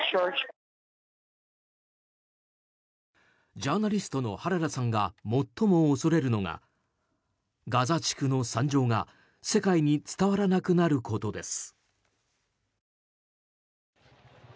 ジャーナリストのハララさんが最も恐れるのがガザ地区の惨状が世界に伝わらなくなることです。